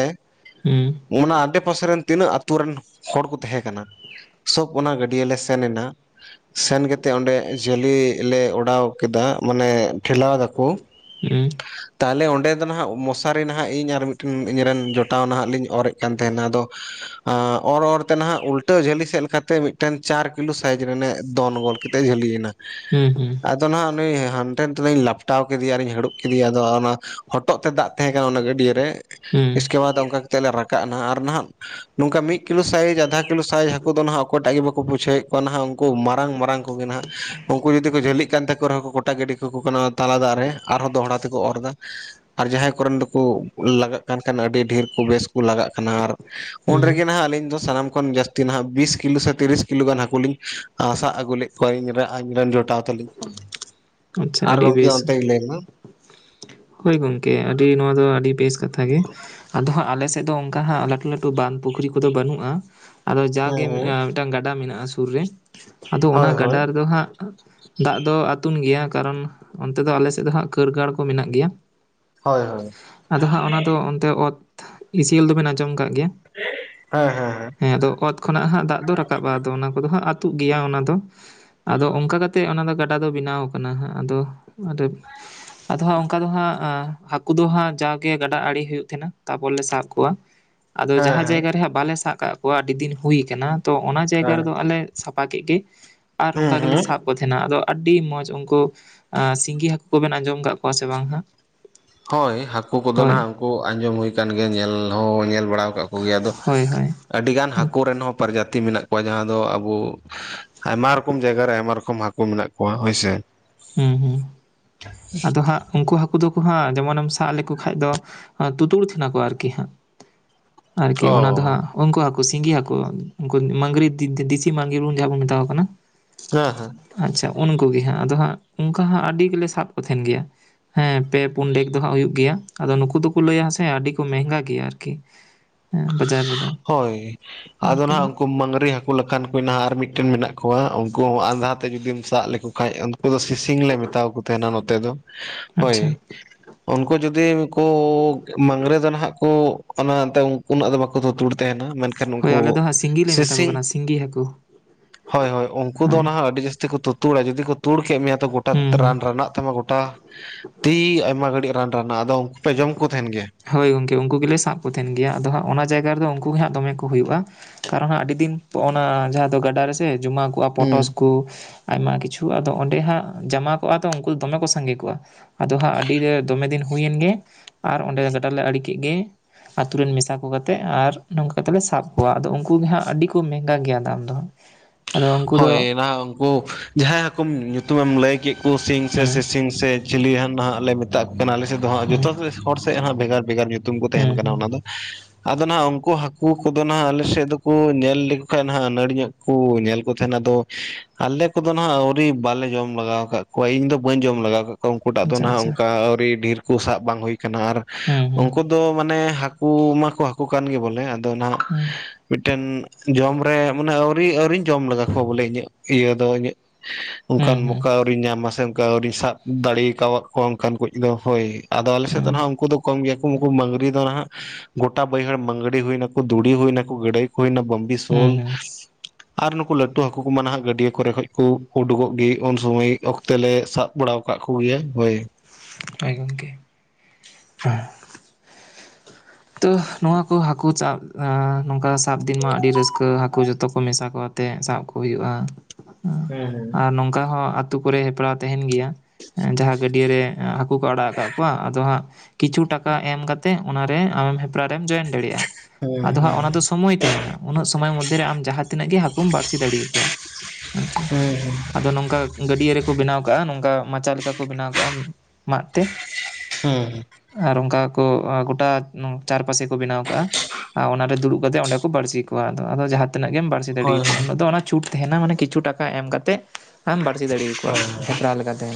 ᱚᱱᱟ ᱟᱰᱮ ᱯᱟᱥᱮ ᱨᱮᱱ ᱛᱤᱱᱟᱹᱜ ᱟ. ᱛᱩ ᱨᱮᱱ ᱦᱚᱲ ᱠᱚ ᱛᱟᱦᱮᱸ ᱠᱟᱱᱟ ᱥᱚᱵᱽ ᱚᱱᱟ ᱜᱟᱹᱰᱤ ᱴᱤᱭᱟᱹ ᱟᱞ ᱞᱮ ᱥᱮᱱ ᱮᱱᱟ ᱥᱮᱱ ᱠᱟᱛᱮᱫ ᱚᱸᱰᱮ ᱡᱷᱟᱹᱞᱤ ᱞᱮ ᱚᱰᱟᱣ ᱠᱮᱫᱟ ᱢᱟᱱᱮ ᱴᱷᱮᱞᱟᱣ ᱮᱫᱟ ᱠᱚ ᱦᱮᱸ [inaudible] ᱛᱟᱦᱚᱞᱮ ᱚᱸᱰᱮ ᱫᱚ ᱱᱟᱦᱟᱸᱜ ᱢᱚᱥᱟᱨᱤ ᱱᱟᱦᱟᱜ ᱤᱧ ᱟᱨ ᱢᱤᱫᱴᱮᱱ ᱤᱧᱨᱮᱱ ᱡᱚᱴᱟᱣ ᱱᱟᱦᱟᱜ ᱞᱤᱧ ᱚᱨᱮᱫ ᱠᱟᱱ ᱛᱟᱦᱮᱱᱟ ᱟᱫᱚ ᱚᱨ ᱚᱨ ᱛᱮ ᱱᱟᱦᱟᱜ ᱩᱞᱴᱟᱹ ᱡᱷᱟᱹᱞᱤ ᱥᱮᱫ ᱞᱮᱠᱟᱛᱮ ᱢᱤᱫ ᱢᱤᱫᱴᱮᱱ ᱪᱟᱨ ᱠᱤᱞᱳ ᱥᱟᱭᱤᱡᱽ ᱫᱚᱱ ᱜᱚᱞ ᱠᱟᱛᱮᱫ ᱡᱷᱟᱹᱞᱤᱭ ᱮᱱᱟ᱾ ᱦᱩᱸ ᱦᱩᱸ ᱟᱫᱚ ᱱᱟᱜ ᱩᱱᱤ ᱦᱟᱱᱛᱮ ᱱᱟᱛᱮ ᱫᱚᱧ ᱞᱟᱯᱴᱟᱣ ᱠᱮᱫᱮᱭᱟ ᱟᱨᱤᱧ ᱦᱟᱹᱲᱩᱵ ᱠᱮᱫᱮᱭᱟ ᱟᱫᱚ ᱚᱱᱟ ᱦᱚᱴᱚᱜ ᱛᱮ ᱫᱟᱜ ᱛᱟᱦᱮᱸ ᱠᱟᱱᱟ ᱚᱱᱟ ᱜᱟᱹᱰᱭᱟᱹ ᱨᱮ ᱦᱩᱸ ᱦᱩᱸ ᱤᱥᱠᱮ ᱵᱟᱫᱽ ᱚᱱᱠᱟ ᱠᱟᱛᱮᱫ ᱞᱮ ᱨᱟᱠᱟᱵ ᱱᱟ ᱟᱨ ᱱᱟᱦᱱᱟᱜ ᱱᱚᱝᱠᱟ ᱢᱤᱫ ᱠᱤᱞᱳ ᱥᱟᱭᱤᱡᱽ ᱟᱫᱷᱟ ᱠᱤᱞᱳ ᱥᱟᱭᱤᱡᱽ ᱦᱟᱹᱠᱩ ᱫᱚ ᱱᱟᱦᱟᱸᱜ ᱚᱠᱚᱭᱴᱟᱜ ᱜᱮ ᱵᱟᱠᱚ ᱵᱩᱡᱷᱟᱹᱣᱮᱫ ᱠᱚᱣᱟ ᱱᱟᱦᱟᱸᱜ ᱩᱱᱠᱩ ᱢᱟᱨᱟᱝ ᱢᱟᱨᱟᱝ ᱠᱚᱜᱮ ᱱᱟᱦᱟᱸᱜ ᱩᱱᱠᱩ ᱡᱩᱫᱤ ᱠᱚ ᱡᱷᱟᱹᱞᱤᱜ ᱠᱟᱱ ᱛᱟᱠᱚ ᱨᱮᱦᱚᱸ ᱠᱚᱴᱟ ᱜᱟᱹᱰᱤ ᱠᱚ ᱠᱟᱱᱟ ᱛᱟᱞᱟ ᱫᱟᱜ ᱨᱮ ᱟᱨᱦᱚᱸ ᱫᱚᱦᱲᱟ ᱛᱮᱠᱚ ᱚᱨ ᱮᱫᱟ ᱟᱨ ᱡᱟᱦᱟᱸᱭ ᱠᱚᱨᱮᱱ ᱫᱚᱠᱚ ᱞᱟᱜᱟᱜ ᱠᱟᱱ ᱠᱷᱟᱱ ᱟᱹᱰᱤ ᱰᱷᱮᱨ ᱠᱚ ᱵᱮᱥ ᱠᱚ ᱞᱟᱜᱟᱜ ᱠᱟᱱᱟ ᱟᱨ ᱦᱩᱸ ᱩᱱᱨᱮᱜᱮ ᱱᱟᱦᱟᱸᱜ ᱟᱹᱞᱤᱧ ᱫᱚ ᱥᱟᱱᱟᱢ ᱠᱷᱚᱱ ᱡᱟᱹᱥᱛᱤ ᱱᱟᱦᱟᱸᱜ ᱵᱤᱥ ᱠᱤᱞᱳ ᱥᱮ ᱛᱤᱨᱤᱥ ᱠᱤᱞᱳ ᱜᱟᱱ ᱦᱟᱹᱠᱩ ᱞᱤᱧ ᱥᱟᱵᱽ ᱟᱹᱜᱩ ᱞᱮᱫ ᱠᱚᱣᱟ ᱤᱧ ᱟᱧᱨᱮᱱ ᱡᱚᱴᱟᱣ ᱛᱟᱹᱞᱤᱧ ᱠᱚ ᱟᱪᱪᱷᱟ ᱟᱨ ᱟᱹᱰᱤ ᱜᱚᱢᱠᱮ ᱵᱮᱥ ᱚᱱᱛᱮ ᱜᱮ ᱞᱟ. ᱭ ᱢᱮ ᱦᱳᱭ ᱜᱚᱢᱠᱮ ᱟᱹᱰᱤ ᱱᱚᱣᱟ ᱫᱚ ᱟᱹᱰᱤ ᱵᱮᱥ ᱠᱟᱛᱷᱟ ᱜᱮ ᱟᱫᱚ ᱦᱟᱸᱜ ᱟᱞᱮ ᱥᱮᱫ ᱫᱚ ᱚᱱᱠᱟ ᱦᱟᱸᱜ ᱞᱟᱹᱴᱩ ᱞᱟᱹᱴᱩ ᱵᱟᱸᱫᱽ ᱯᱩᱠᱷᱨᱤ ᱠᱚᱫᱚ ᱵᱟᱹᱱᱩᱜᱼᱟ ᱟᱫᱚ ᱦᱮᱸ ᱡᱟᱜᱮ ᱦᱮᱸ ᱢᱤᱫᱴᱟᱝ ᱜᱟᱰᱟ ᱢᱮᱱᱟᱜᱼᱟ ᱥᱩᱨ ᱨᱮ ᱟᱫᱚ ᱚᱱᱟ ᱦᱳᱭ ᱦᱳᱭ ᱜᱟᱰᱟ ᱨᱮᱫᱚ ᱦᱟᱸᱜ ᱫᱟᱜ ᱫᱚ ᱟᱛᱩᱱ ᱜᱮᱭᱟ ᱠᱟᱨᱚᱱ ᱚᱱᱛᱮ ᱫᱚ ᱟᱞᱮ ᱥᱮᱫ ᱫᱚ ᱦᱟᱸᱜ ᱠᱟᱹᱨ ᱜᱟᱲ ᱠᱚ ᱢᱮᱱᱟᱜ ᱜᱮᱭᱟ ᱦᱳᱭ ᱦᱳᱭ ᱟᱫᱚ ᱦᱟᱸᱜ ᱚᱱᱟ ᱫᱚ ᱚᱱᱛᱮ ᱚᱛ ᱤᱥᱮᱞ ᱫᱚᱵᱤᱱ ᱟᱸᱡᱚᱢ ᱠᱟᱫ ᱜᱮᱭᱟ ᱦᱮᱸ ᱦᱮᱸ ᱦᱮᱸ ᱟᱫᱚ ᱚᱛ ᱠᱷᱚᱱᱟᱜ ᱦᱟᱸᱜ ᱫᱟᱜ ᱫᱚ ᱨᱟᱠᱟᱵ ᱟ ᱟᱫᱚ ᱚᱱᱟ ᱠᱚᱫᱚ ᱦᱟᱸᱜ ᱟᱹᱛᱩᱜ ᱜᱮᱭᱟ ᱚᱱᱟ ᱫᱚ ᱟᱫᱚ ᱚᱱᱠᱟ ᱠᱟᱛᱮᱜ ᱚᱱᱟ ᱫᱚ ᱜᱟᱰᱟ ᱫᱚ ᱵᱮᱱᱟᱣ ᱟᱠᱟᱱᱟᱜ ᱦᱟᱸᱜ ᱟᱫᱚ ᱟᱫᱚᱜ ᱚᱱᱠᱟ ᱫᱚ ᱦᱟᱸᱜ ᱦᱟᱹᱠᱩ ᱫᱚ ᱦᱟᱸᱜ ᱡᱟᱜᱮ ᱜᱟᱰᱟ ᱟᱲᱮ ᱦᱩᱭᱩᱜ ᱛᱟᱦᱮᱸᱱᱟ ᱛᱟᱯᱚᱨ ᱞᱮ ᱥᱟᱵ ᱠᱚᱣᱟ ᱟᱫᱚ ᱦᱮᱸ ᱡᱟᱦᱟᱸ ᱡᱟᱭᱜᱟ ᱨᱮ ᱦᱟᱸᱜ ᱵᱟᱞᱮ ᱥᱟᱵ ᱠᱟᱫ ᱠᱚᱣᱟ ᱟ ᱫᱤᱱ ᱦᱩᱭ ᱟᱠᱟᱱᱟ ᱛᱚ ᱚᱱᱟ ᱡᱟᱭᱜᱟ ᱦᱮᱸ ᱨᱮᱫᱚ ᱟᱞᱮ ᱥᱟᱯᱷᱟ ᱠᱮᱫ ᱜᱮ ᱟᱨ ᱦᱮᱸ ᱱᱚᱝᱠᱟ ᱜᱮᱞᱮ ᱦᱮᱸ ᱥᱟᱵ ᱛᱟᱦᱮᱱᱟ ᱟᱫᱚ ᱟᱹᱰᱤ ᱢᱚᱸᱡᱽ ᱩᱱᱠᱩ ᱥᱤᱸᱜᱤ ᱦᱟᱹᱠᱩ ᱠᱚᱵᱮᱱ ᱟᱸᱡᱚᱢ ᱟᱠᱟᱫ ᱠᱚᱣᱟ ᱥᱮ ᱵᱟᱝ ᱦᱟᱸᱜ ᱦᱳᱭ ᱦᱟᱹᱠᱩ ᱠᱚᱫᱚ ᱦᱳᱭ ᱱᱟᱦᱟᱜ ᱩᱱᱠᱩ ᱟᱸᱡᱚᱢ ᱦᱩᱭ ᱟᱠᱟᱱ ᱜᱮᱭᱟ ᱧᱮᱞ ᱦᱚᱸ ᱧᱮᱞ ᱵᱟᱲᱟ ᱟᱠᱟᱫ ᱠᱚᱜᱮᱭᱟ ᱟᱫᱚ ᱦᱳᱭ ᱦᱳᱭ ᱟᱹᱰᱤ ᱜᱟᱱ ᱦᱟᱹᱠᱩ ᱩᱱᱠᱩ ᱨᱮᱱ ᱦᱚᱸ ᱯᱨᱚᱡᱟᱛᱤ ᱢᱮᱱᱟᱜ ᱠᱚᱣᱟ ᱡᱟᱦᱟᱸ ᱫᱚ ᱟᱵᱚ ᱟᱭᱢᱟ ᱨᱚᱠᱚᱢ ᱡᱟᱭᱜᱟ ᱨᱮ ᱟᱭᱢᱟ ᱨᱚᱠᱚᱢ ᱦᱟᱠᱩ ᱢᱮᱱᱟᱜ ᱠᱚᱣᱟ ᱦᱳᱭ ᱥᱮ ᱦᱩᱸ ᱦᱩᱸ [unintelligible] ᱛᱚ ᱦᱟᱸᱜ ᱩᱱᱠᱩ ᱦᱟᱹᱠᱩ ᱫᱚᱠᱚ ᱦᱟᱸᱜ ᱡᱮᱢᱚᱱ ᱮᱢ ᱥᱟᱵ ᱞᱮᱠᱚ ᱠᱷᱟᱱ ᱫᱚ ᱛᱩᱛᱩᱨ ᱛᱟᱦᱮᱱᱟ ᱠᱚ ᱟᱨᱠᱤ ᱦᱟᱸᱜ ᱟᱨᱠᱤ ᱚᱱᱟ ᱫᱚ ᱚ ᱦᱟᱸᱜ, ᱩᱱᱠᱩ ᱦᱟᱹᱠᱩ ᱥᱤᱸᱜᱤ ᱦᱟᱹᱠᱩ ᱩᱱᱠᱩ ᱢᱟᱸᱜᱽᱨᱤ ᱫᱮᱥᱤ ᱢᱟᱸᱜᱽᱨᱤ ᱵᱚ ᱡᱟᱦᱟᱸ ᱵᱚᱱ ᱢᱮᱛᱟᱣᱟ ᱠᱚ ᱠᱟᱱᱟ ᱦᱮᱸ ᱦᱮᱸ ᱟᱪᱪᱷᱟ ᱩᱱᱠᱩᱜᱮ ᱦᱟᱸᱜ ᱟᱫᱚ ᱦᱟᱸᱜ ᱚᱱᱠᱟ ᱦᱟᱸᱜ ᱟᱹᱰᱤ ᱜᱮᱞᱮ ᱥᱟᱵ ᱠᱚ ᱛᱟᱦᱮᱱ ᱜᱮᱭᱟ ᱦᱮᱸ ᱯᱮ ᱯᱩᱱ ᱰᱮᱠ ᱫᱚ ᱦᱟᱸᱜ ᱦᱩᱭᱩᱜ ᱜᱮᱭᱟ ᱟᱫᱚ ᱱᱩᱠᱩ ᱫᱚᱠᱚ ᱞᱟᱹᱭᱟ ᱥᱮ ᱟᱹᱰᱤ ᱠᱚ ᱢᱮᱸᱦᱜᱟ ᱜᱮᱭᱟ ᱟᱨᱠᱤ ᱦᱮᱸ ᱵᱟᱡᱟᱨ ᱨᱮᱫᱚ ᱦᱳᱭ ᱟᱫᱚ ᱱᱟᱜ ᱟᱨᱠᱤ ᱩᱱᱠᱩ ᱢᱟᱝᱜᱽᱨᱤ ᱦᱟᱹᱠᱩ [unintelligible] ᱞᱮᱠᱷᱟᱱ ᱠᱚ ᱱᱟ ᱟᱨ ᱢᱤᱫᱴᱮᱱ ᱢᱮᱱᱟᱜ - ᱠᱚᱣᱟ ᱩᱱᱠᱩ ᱦᱚᱸ ᱟᱸᱫᱷᱟ ᱛᱮ ᱡᱩᱫᱤᱢ ᱥᱟᱵ ᱞᱮᱠᱚ ᱠᱷᱟᱱ ᱩᱱᱠᱩ ᱫᱚ ᱥᱤᱥᱤᱝ ᱞᱮ ᱢᱮᱛᱟᱣᱟ ᱠᱚ ᱛᱟᱦᱮᱱᱟ ᱱᱚᱛᱮ ᱫᱚ᱾ ᱦᱳᱭ ᱟᱪᱪᱷᱟ ᱩᱱᱠᱩ ᱡᱩᱫᱤ ᱠᱚ ᱢᱟᱝᱜᱽᱨᱤ ᱫᱟᱱᱦᱟᱜ ᱠᱚ ᱚᱱᱟ ᱮᱱᱛᱮ ᱩᱱᱟᱹᱜ ᱫᱚ ᱵᱟᱠᱚ ᱛᱩᱛᱩᱲ ᱛᱟᱦᱮᱱᱟ ᱢᱮᱱᱠᱷᱟᱱ ᱦᱳᱭ ᱩᱱᱠᱩ ᱟᱞᱮ ᱫᱚ ᱦᱟᱸᱜ ᱥᱤᱸᱜᱤ ᱞᱮ ᱢᱮᱛᱟ ᱠᱚ ᱥᱤᱥᱤᱝ ᱠᱟᱱᱟ ᱥᱤᱸᱜᱤ ᱦᱟᱹᱠᱩ ᱦᱳᱭ ᱦᱳᱭ ᱩᱱᱠᱩ ᱫᱚ ᱦᱳᱭ ᱱᱟᱦᱟᱜ ᱟᱹᱰᱤ ᱡᱟᱹᱥᱛᱤ ᱠᱚ ᱛᱩ ᱛᱩᱲᱟ ᱡᱩᱫᱤ ᱠᱚ ᱛᱩᱲ ᱠᱮᱫ ᱢᱮᱭᱟ ᱛᱚ ᱜᱚᱴᱟ ᱦᱩᱸ ᱦᱩᱸ ᱨᱟᱱ ᱨᱟᱱᱟᱜ ᱛᱟᱢᱟ ᱜᱚᱴᱟ ᱛᱤ ᱟᱭᱢᱟ ᱜᱷᱟᱹᱲᱤᱡ ᱨᱟᱱ ᱨᱟᱱᱟᱜ ᱟᱫᱚ ᱩᱱᱠᱩ ᱯᱮ ᱡᱚᱢ ᱠᱚ ᱛᱟᱦᱮᱱ ᱜᱮᱭᱟ ᱦᱳᱭ ᱜᱚᱝᱠᱮ ᱩᱱᱠᱩ ᱜᱮᱞᱮ ᱥᱟᱵ ᱠᱚ ᱛᱟᱦᱮᱱ ᱜᱮᱭᱟ ᱟᱫᱚ ᱦᱟᱸᱜ ᱚᱱᱟ ᱡᱟᱭᱜᱟ ᱨᱮᱫᱚ ᱩᱱᱠᱩᱜ ᱜᱮ ᱦᱟᱸᱜ ᱫᱚᱢᱮ ᱠᱚ ᱦᱩᱭᱩᱜᱼᱟ ᱟᱨ ᱦᱚᱸ ᱟᱹᱰᱤ ᱫᱤᱱ ᱚᱱᱟ ᱡᱟᱦᱟᱸ ᱫᱚ ᱜᱟᱰᱟ ᱨᱮᱥᱮ ᱡᱚᱢᱟ ᱠᱚᱜᱼᱟ ᱦᱩᱸ ᱯᱚᱴᱚᱥ ᱠᱚ ᱩᱱᱠᱩ ᱟᱭᱢᱟ ᱠᱤᱪᱷᱩ ᱟᱫᱚ ᱚᱸᱰᱮ ᱦᱟᱸᱜ ᱡᱟᱢᱟ ᱠᱚᱜᱼᱟ ᱛᱚ ᱫᱚ ᱩᱱᱠᱩ ᱫᱚᱢᱮ ᱠᱚ ᱥᱟᱸᱜᱮ ᱠᱚᱜᱼᱟ ᱟᱫᱚ ᱦᱟᱸᱜ ᱟᱹᱰᱤ ᱨᱮ ᱫᱚᱢᱮ ᱫᱤᱱ ᱦᱩᱭᱮᱱ ᱜᱮᱭᱟ᱾ ᱚᱸᱰᱮ ᱜᱟᱰᱟ ᱞᱮ ᱟᱲᱮ ᱠᱮᱫ ᱜᱮ ᱟᱛᱳ ᱨᱮᱱ ᱢᱮᱥᱟ ᱠᱚ ᱠᱟᱛᱮ ᱟᱨ ᱱᱚᱝᱠᱟ ᱠᱟᱛᱮ ᱞᱮ ᱥᱟᱵ ᱠᱚᱣᱟ ᱟᱫᱚ ᱩᱱᱠᱩ ᱜᱮ ᱦᱟᱸᱜ ᱟᱹᱰᱤ ᱠᱚ ᱢᱮᱸᱦᱜᱟ ᱜᱮᱭᱟ ᱫᱟᱢ ᱫᱚ ᱦᱟᱸᱜ᱾ [unintelligible] ᱟᱫᱚ ᱩᱱᱠᱩ ᱫᱚ ᱦᱳᱭ ᱱᱟᱦᱟᱜ ᱩᱱᱠᱩ ᱡᱟᱦᱟᱸᱭ ᱦᱟᱹᱠᱩᱢ ᱧᱩᱛᱩᱢᱮᱢ ᱞᱟᱹᱭ ᱠᱮᱫ ᱠᱚ ᱥᱤᱧ ᱥᱮ ᱦᱩᱸ ᱥᱤᱥᱤᱧ ᱥᱮ, ᱪᱤᱞᱤ ᱦᱟᱱ ᱱᱟᱦᱟᱜ ᱞᱮ ᱢᱮ ᱫᱟᱜ ᱠᱮᱱᱮᱞ ᱟᱞᱮ ᱥᱮᱫ ᱫᱚ ᱦᱟᱜ ᱡᱚᱛᱚ ᱦᱩᱸ ᱜᱮ ᱥᱚᱴ ᱥᱮ ᱦᱟᱜ ᱵᱷᱮᱜᱟᱨ ᱵᱷᱮᱜᱟᱨ ᱧᱩᱛᱩᱢ ᱠᱚ ᱦᱩᱸ ᱛᱟᱦᱮᱸᱱ ᱠᱟᱱᱟ ᱦᱩᱸ ᱚᱱᱟ ᱫᱚ᱾ ᱟᱫᱚ ᱱᱟᱸᱜ ᱩᱝᱠᱩ ᱦᱟᱹᱠᱩ ᱠᱚᱫᱚ ᱱᱟᱜ ᱟᱞᱮᱥᱮᱫ ᱫᱚᱠᱳ ᱧᱮᱞ ᱞᱮᱠᱚ ᱠᱷᱟᱱ ᱦᱟᱜ ᱟᱹᱱᱟᱹᱲᱤ ᱜᱮᱠᱚ ᱧᱮᱞ ᱛᱟᱦᱮᱱᱟ ᱟᱫᱚ ᱟᱞᱮ ᱠᱚᱫᱚ ᱱᱟᱦᱟᱜ ᱟᱹᱣᱨᱤ ᱵᱟᱞᱮ ᱡᱚᱢ ᱞᱮᱟᱜᱟᱣ ᱟᱠᱟᱫ ᱠᱚᱣᱟ ᱤᱧ ᱫᱚ ᱵᱟᱹᱧ ᱡᱚᱢ ᱞᱮᱟᱜᱟᱣ ᱟᱠᱟᱫ ᱠᱚᱣᱟ ᱩᱱᱠᱩ ᱴᱟᱜ ᱫᱚ ᱟᱪᱪᱷᱟ ᱱᱟᱦᱟᱜ ᱟᱪᱪᱷᱟ ᱚᱱᱠᱟ ᱟᱹᱣᱨᱤ ᱰᱷᱮᱨ ᱠᱚ ᱥᱟᱵ ᱵᱟᱝ ᱦᱩᱭ ᱠᱟᱱᱟ ᱟᱨ ᱦᱩᱸ ᱦᱩᱸ ᱩᱱᱠᱩ ᱫᱚ ᱢᱟᱱᱮ ᱦᱟᱹᱠᱩ ᱦᱟᱹᱠᱩ ᱢᱟᱠᱚ ᱦᱟᱹᱠᱩ ᱠᱟᱱ ᱜᱮ ᱵᱚᱞᱮ, ᱟᱫᱚ ᱱᱟᱦᱟᱜ ᱦᱩᱸ ᱢᱤᱫᱴᱮᱱ ᱡᱚᱢ ᱨᱮ ᱢᱟᱱᱮ ᱟᱣᱨᱤ ᱟᱹᱣᱨᱤᱧ ᱡᱚᱢ ᱞᱮᱜᱟ ᱠᱚᱣᱟ ᱵᱚᱞᱮ ᱤᱧᱟᱹᱜ ᱤᱭᱟᱹ ᱫᱚ ᱤᱧᱟᱹᱜ ᱦᱩᱸ ᱚᱱᱠᱟᱱ ᱦᱩᱸ ᱢᱚᱠᱟ ᱟᱹᱣᱨᱤᱧ ᱧᱟᱢᱟ ᱥᱮ ᱚᱱᱠᱟ ᱟᱹᱣᱨᱤᱧ ᱥᱟᱵ ᱫᱟᱲᱮᱣᱟᱠᱟᱫ ᱠᱚᱣᱟ ᱚᱱᱠᱟᱱ ᱠᱚ ᱫᱚ ᱦᱳᱭ᱾ ᱟᱫᱚ ᱟᱞᱮ ᱥᱮᱫ ᱫᱚ ᱦᱩᱸ ᱱᱟᱦᱟᱜ ᱩᱱᱠᱩ ᱫᱚ ᱠᱚᱢ ᱜᱮᱭᱟ, ᱠᱚ ᱩᱱᱠᱩ ᱢᱟᱹᱜᱨᱤ ᱫᱚ ᱦᱟᱸᱜ ᱜᱚᱴᱟ ᱵᱟᱹᱭᱦᱟᱹᱲ ᱢᱟᱸᱹᱜᱽᱲᱤ ᱦᱩᱭ ᱱᱟᱠᱚ ᱫᱩᱲᱤ ᱦᱩᱭ ᱱᱟᱠᱚ ᱜᱟᱹᱲᱟᱹᱭ ᱠᱚ ᱦᱩᱭᱱᱟ ᱵᱟᱢᱵᱤ ᱦᱩᱸ ᱥᱳᱞ᱾ ᱦᱩᱸ ᱟᱨ ᱱᱩᱠᱩ ᱞᱟᱹᱴᱩ ᱦᱟᱹᱠᱩ ᱠᱚᱢᱟ ᱱᱟᱦᱟᱜ ᱜᱟᱹᱰᱭᱟᱹ ᱠᱚᱨᱮ ᱠᱷᱚᱡ ᱠᱚ ᱩᱰᱩᱠᱚᱜ ᱜᱮ ᱩᱱ ᱥᱩᱢᱟᱹᱭ ᱚᱠᱛᱮ ᱞᱮ ᱥᱟᱵ ᱵᱟᱲᱟᱣ ᱟᱠᱟᱫ ᱠᱚᱜᱮᱭᱟ ᱦᱳᱭ᱾ ᱦᱳᱭ ᱜᱚᱝᱠᱮ, [unintelligible] ᱛᱚ ᱱᱚᱶᱟ ᱠᱚ ᱦᱟᱠᱩ ᱥᱟᱵ ᱟᱸᱻ ᱱᱚᱝᱠᱟ ᱥᱟᱵ ᱫᱤᱱ ᱢᱟ ᱟᱹᱰᱤ ᱨᱟᱹᱥᱠᱟᱹ ᱦᱟᱠᱩ ᱡᱚᱛᱚ ᱢᱮᱥᱟ ᱠᱚ ᱟᱛᱮᱫ ᱥᱟᱵ ᱠᱚ ᱦᱩᱭᱩᱜᱼᱟ ᱦᱮᱸ ᱦᱮᱸ ᱟᱨ ᱱᱚᱝᱠᱟ ᱦᱚᱸ ᱟᱛᱩ ᱠᱚᱨᱮ ᱦᱮᱯᱨᱟᱣ ᱛᱟᱦᱮᱱ ᱜᱮᱭᱟ ᱡᱟᱦᱟᱸ ᱜᱟᱹᱰᱭᱟᱹ ᱨᱮ ᱦᱟᱠᱩ ᱠᱚ ᱟᱲᱟᱜ ᱠᱟᱜ ᱠᱚᱣᱟ ᱟᱫᱚ ᱦᱟᱸᱜ ᱠᱤᱪᱷᱩ ᱴᱟᱠᱟ ᱮᱢ ᱠᱟᱛᱮᱜ ᱚᱱᱟᱨᱮ ᱟᱢ ᱦᱮᱯᱨᱟᱣ ᱨᱮᱢ ᱡᱚᱭᱮᱱ ᱫᱟᱲᱮᱭᱟᱜᱼᱟ᱾ ᱟᱫᱚ ᱦᱟᱸᱜ ᱚᱱᱟ ᱫᱚ ᱥᱳᱢᱚᱭ ᱛᱟᱦᱮᱸᱱᱟ᱾ ᱩᱱᱟᱹᱜ ᱥᱳᱢᱚᱭ ᱢᱚᱫᱽᱫᱷᱮᱨᱮ ᱟᱢ ᱡᱟᱦᱟ ᱛᱤᱱᱟᱹᱜ ᱜᱮ ᱦᱟᱠᱩᱢ ᱵᱟᱬᱥᱤ ᱫᱟᱲᱮᱭᱟᱠᱳᱣᱟ᱾ [unintelligible] ᱦᱮᱸᱻ ᱟᱫᱚ ᱱᱚᱝᱠᱟ ᱜᱟᱹᱰᱭᱟᱹ ᱨᱮᱠᱚ ᱵᱮᱱᱟᱣ ᱠᱟᱜᱼᱟ᱾ ᱱᱚᱝᱠᱟ ᱢᱟᱪᱟ ᱞᱮᱠᱟ ᱠᱚ ᱵᱮᱱᱟᱣ ᱠᱟᱜᱼᱟ ᱢᱟᱫ ᱛᱮ᱾ ᱦᱩᱸ ᱟᱨ ᱚᱝᱠᱟ ᱠᱚ ᱜᱚᱴᱟ ᱱᱚ ᱪᱟᱨᱯᱟᱥᱮ ᱠᱚ ᱵᱮᱱᱟᱣ ᱠᱟᱜᱼᱟ ᱟᱨ ᱚᱱᱟᱨᱮ ᱫᱩᱲᱩᱜ ᱠᱟᱛᱮᱜ ᱚᱸᱰᱮ ᱠᱚ ᱵᱟᱹᱲᱥᱤ ᱠᱚᱣᱟ ᱟᱫᱚ ᱡᱟᱦᱟ ᱛᱤᱱᱟᱹᱜ ᱜᱮᱢ ᱵᱟᱹᱲᱥᱤ ᱦᱳᱭ ᱫᱟᱲᱮᱭᱟ ᱠᱳᱣᱟ ᱦᱳᱭ ᱩᱱᱟᱹᱜ ᱫᱚ ᱚᱱᱟ ᱪᱷᱩᱴ ᱛᱟᱦᱮᱸᱱᱟ, ᱢᱟᱱᱮ ᱠᱤᱪᱷᱩ ᱴᱟᱠᱟ ᱮᱢ ᱠᱟᱛᱮᱜ ᱟᱢ ᱵᱟᱹᱲᱥᱤ ᱫᱟᱲᱮᱭᱟᱠᱚᱣᱟ᱾ ᱦᱮᱯᱨᱟᱣ ᱞᱮᱠᱟᱛᱮ